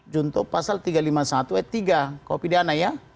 junto pasal tiga ratus lima puluh satu eh tiga kopi dana ya